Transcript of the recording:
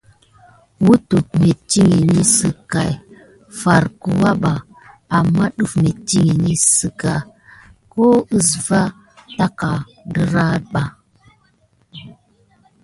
Kutuk metiŋ zikai var kuya ba ama def metikine siga ko kusva taka ne ra dagada ba.